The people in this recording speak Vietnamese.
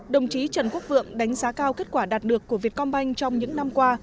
đồng chí trần quốc vượng đánh giá cao kết quả đạt được của vietcombank trong những năm qua